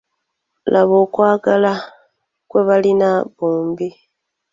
Laba okwagala kwe balina bombi.